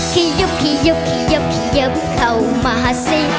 ขยับขยับขยับเข้ามาซิ